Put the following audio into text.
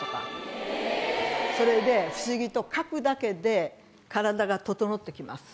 それで不思議と書くだけで体が整ってきます。